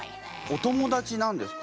お友達なんですか？